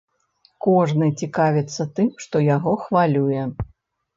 Кожны цікавіцца тым, што яго хвалюе.